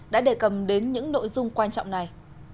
đã đề cầm đến những nội dung quan trọng này